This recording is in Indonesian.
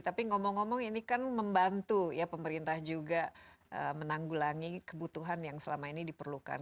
tapi ngomong ngomong ini kan membantu ya pemerintah juga menanggulangi kebutuhan yang selama ini diperlukan